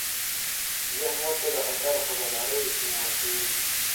ذهن موږ ته د خطر خبرداری ورکوي.